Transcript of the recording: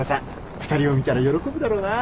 ２人を見たら喜ぶだろうなぁ。